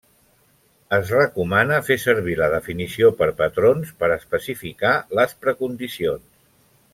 Es recomana fer servir la definició per patrons per especificar les precondicions.